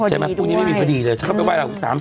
พรุ่งนี้ไม่มีพอดีด้วยอ่ะเธอเข้าไปไหว้ลาหู